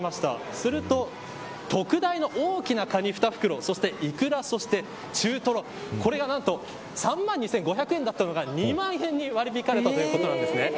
すると、特大の大きなカニ２袋イクラ、そして中トロこれが何と３万２５００円だったのが２万円に割り引かれたということなんです。